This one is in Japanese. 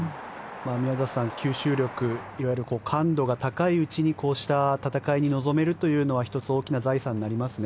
宮里さん、吸収力いわゆる感度が高いうちにこうした戦いに臨めるというのは１つ、大きな財産になりますね。